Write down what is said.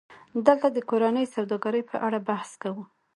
دلته د کورنۍ سوداګرۍ په اړه بحث کوو